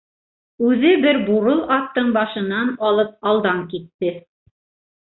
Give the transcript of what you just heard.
Үҙе бер бурыл аттың башынан алып алдан китте.